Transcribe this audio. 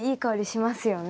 しますよね。